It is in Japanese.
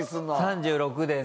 ３６でね。